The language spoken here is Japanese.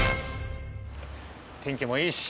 天気もいいし。